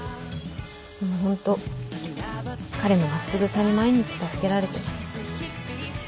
でもホント彼の真っすぐさに毎日助けられてます。